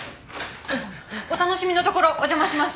お楽しみのところお邪魔します。